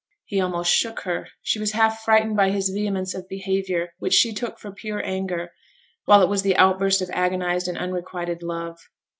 He almost shook her: she was half frightened by his vehemence of behaviour, which she took for pure anger, while it was the outburst of agonized and unrequited love.